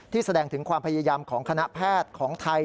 แสดงถึงความพยายามของคณะแพทย์ของไทย